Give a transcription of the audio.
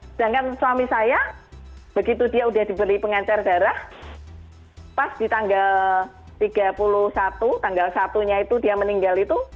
sedangkan suami saya begitu dia udah diberi pengencar darah pas di tanggal tiga puluh satu tanggal satunya itu dia meninggal itu